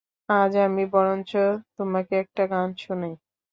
আজ আমি বরঞ্চ তোমাকে একটা গান শোনাই।